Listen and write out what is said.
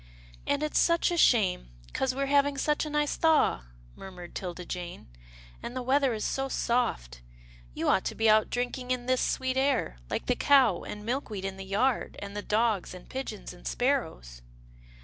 " And it's such a shame, 'cause we're having such a nice thaw," murmured 'Tilda Jane, and the weather is so soft. You ought to be out drink ing in this sweet air, like the cow and Milkweed in the yard, and the dogs, and pigeons and sparrows."